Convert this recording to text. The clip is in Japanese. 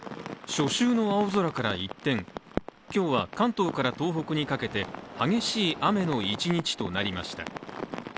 初秋の青空から一転、今日は関東から東北にかけて激しい雨の一日となりました。